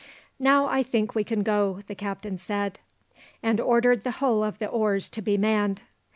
"Now I think we can go," the captain said, and ordered the whole of the oars to be manned.